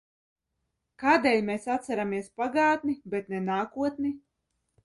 Kādēļ mēs atceramies pagātni, bet ne nākotni?